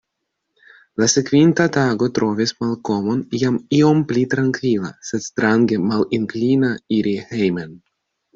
La sekvinta tago trovis Malkomon jam iom pli trankvila, sed strange malinklina iri hejmen.